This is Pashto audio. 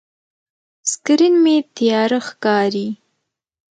سکرین مې تیاره ښکاري.